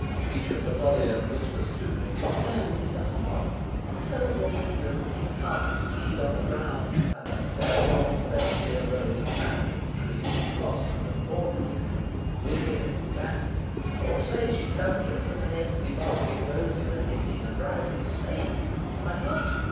Specious Apollyon whispers to me "Where would be the harm? Tell your readers that she cast a seed on the ground, and that therefrom presently arose a tamarind tree which blossomed and bore fruit and, withering, vanished. Or say she conjured from an empty basket of osier a hissing and bridling snake. Why not?